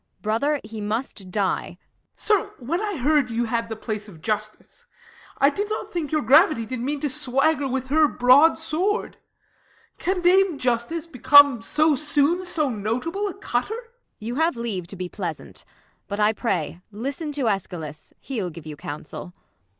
Brother, he must die ! Ben. Sir, when I heard you had the place of Justice, I did not think your gravity did mean To swagger with her broad sword. Can dame Justice Become, so soon, so notable a cutter 1 Ang. You have leave to be pleasant ; but I pray Listen to Eschalus, he'll give you counsel.